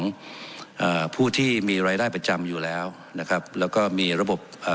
อ่าผู้ที่มีรายได้ประจำอยู่แล้วนะครับแล้วก็มีระบบอ่า